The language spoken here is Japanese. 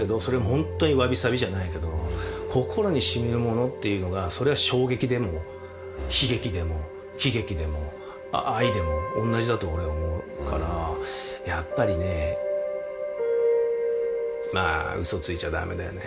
ホントにわびさびじゃないけど心にしみるものっていうのがそれは衝撃でも悲劇でも喜劇でも愛でも同じだと俺は思うからやっぱりねまあ嘘ついちゃダメだよね